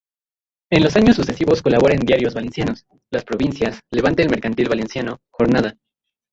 En los años sucesivos colabora en diarios valencianos: Las Provincias, Levante-El Mercantil Valenciano, Jornada.